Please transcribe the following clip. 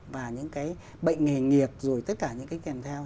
và những cái bệnh nghề nghiệp rồi tất cả những cái kèm theo